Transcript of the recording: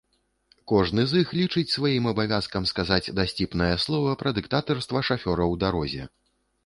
Кожны з іх лічыць сваім абавязкам сказаць дасціпнае слова пра дыктатарства шафёра ў дарозе.